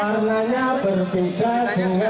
warnanya berbeda dengan yang lain